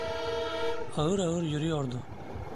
Ağır ağır yürüyordu.